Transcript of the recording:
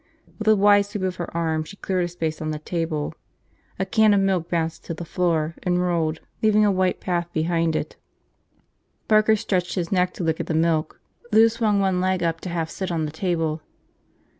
With a wide sweep of her arm she cleared a space on the table. A can of milk bounced to the floor and rolled, leaving a white path behind it. Barker stretched his neck to lick at the milk. Lou swung one leg up to half sit on the table.